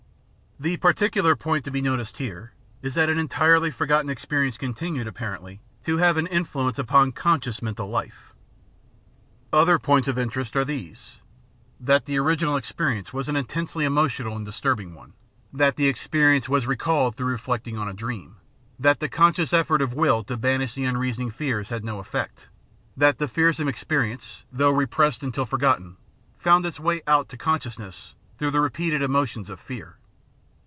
The particular point to be noticed here is that an entirely forgotten experience continued, ap The Science of the Mind 561 parently, to have an influence upon conscious mental life. Other points of interest are these: that the original exper ience was an intensely emotional and disturbing one; that the experience was recalled through reflecting on a dream; that the conscious effort of will to banish the imreasoning fears had no effect; that the fearsome experience, though repressed until forgotten, found its way out to conscious ness through the repeated emotions of fear.